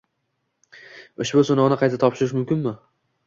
ushbu sinovni qayta topshirish mumkinmi?